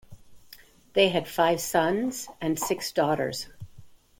They had five sons and six daughters.